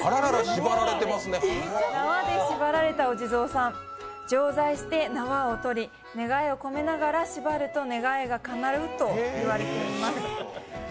縄でしばられたお地蔵さん浄財して縄をとり、願いを込めながら縛ると願いがかなうと言われています。